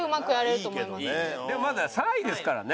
でもまだ３位ですからね。